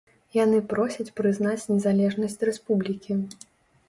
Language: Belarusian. Яны просяць прызнаць незалежнасць рэспублікі.